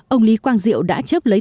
ông lý quang diệu đã chấp lấy thời cơ